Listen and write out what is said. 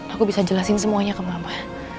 aku bisa jelasin semuanya ke mama